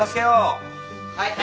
はい。